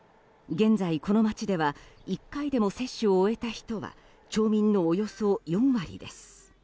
現在、この町では１回でも接種を終えた人は町民のおよそ４割です。